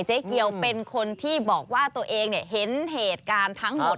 เจ๊เกียวเป็นคนที่บอกว่าตัวเองเห็นเหตุการณ์ทั้งหมด